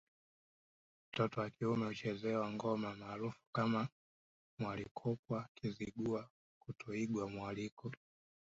Mtoto wa kiume huchezewa ngoma maarufu kama mwalikokwa Kizigua kutoigwa mwaliko